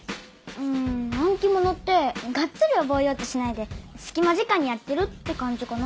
うん暗記ものってがっつり覚えようとしないで隙間時間にやってるって感じかな。